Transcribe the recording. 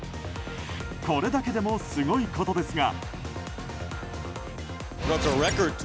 これだけでもすごいことですが。